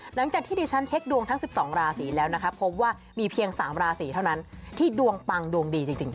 หลังจากที่ดิฉันเช็คดวงทั้ง๑๒ราศีแล้วนะคะพบว่ามีเพียง๓ราศีเท่านั้นที่ดวงปังดวงดีจริง